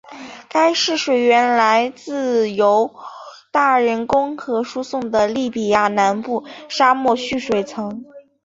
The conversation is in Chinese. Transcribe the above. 该市水源来自由大人工河输送的利比亚南部沙漠蓄水层。